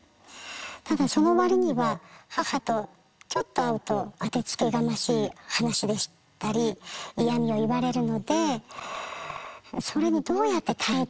ただその割には母とちょっと会うと当てつけがましい話でしたり嫌みを言われるのでそれにどうやって耐えてこの先いけばいいかなとは思うんです。